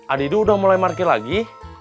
adidu udah mulai marki lagi